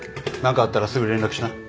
何かあったらすぐ連絡しな。